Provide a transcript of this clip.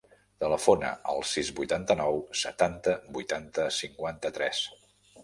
Telefona al sis, vuitanta-nou, setanta, vuitanta, cinquanta-tres.